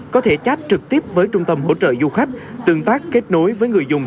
có thể chat trực tiếp với trung tâm hỗ trợ du khách tương tác kết nối với người dùng